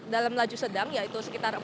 dalam laju sedang yaitu sekitar empat lima km